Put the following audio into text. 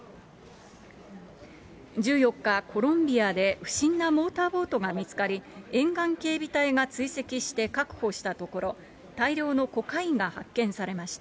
１４日、コロンビアで不審なモーターボートが見つかり、沿岸警備隊が追跡して確保したところ、大量のコカインが発見されました。